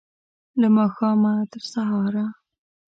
له ماښامه، تر سهاره